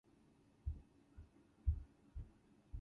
Spanish language teachers were provided by Argentina.